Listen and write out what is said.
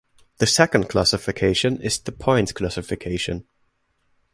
The second classification is the points classification.